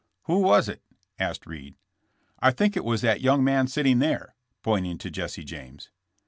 "Who was it?" asked Reed. "I think it was that young man sitting there," pointing to Jesse James.